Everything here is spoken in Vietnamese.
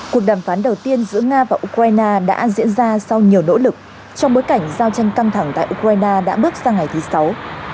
cuộc đàm phán đầu tiên giữa nga và ukraine đã diễn ra sau nhiều nỗ lực trong bối cảnh giao tranh căng thẳng tại ukraine đã bước sang ngày thứ sáu